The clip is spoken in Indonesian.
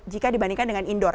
jika dibandingkan dengan indoor